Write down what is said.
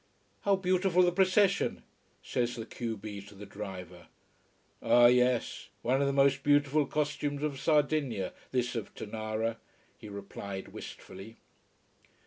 "How beautiful the procession!" says the q b to the driver. "Ah yes one of the most beautiful costumes of Sardinia, this of Tonara," he replied wistfully.